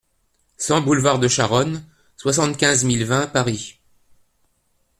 cent boulevard de Charonne, soixante-quinze mille vingt Paris